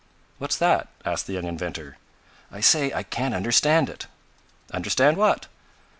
"What's that?" asked the young inventor. "I say I can't understand it." "Understand what?"